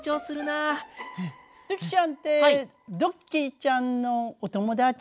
ドゥキちゃんってドッキーちゃんのお友達？